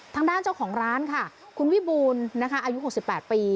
ทางด้านเจ้าของร้านค่ะคุณวิบูลนะคะอายุ๖๘ปี